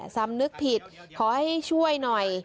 สำนึกผิดขอให้ช่วยหน่อย